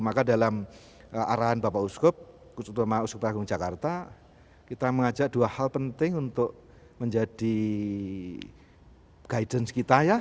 maka dalam arahan bapak uskup khususnya agung jakarta kita mengajak dua hal penting untuk menjadi guidance kita ya